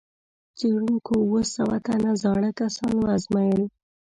څېړونکو اووه سوه تنه زاړه کسان وازمویل.